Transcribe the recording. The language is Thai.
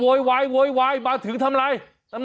โอ้โหอะไรคะ